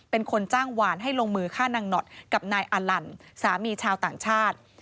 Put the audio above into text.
เป็นคนจ้างหวานให้ลงมือฆ่านางหนอดกับนายอาลันสามีชาวต่างชาติ